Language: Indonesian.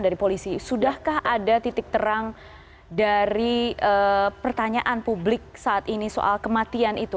dari polisi sudahkah ada titik terang dari pertanyaan publik saat ini soal kematian itu